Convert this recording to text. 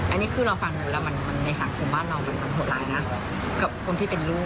อันนี้คือเราฟังดูแล้วมันในสังคมบ้านเรามันโหดร้ายนะกับคนที่เป็นลูก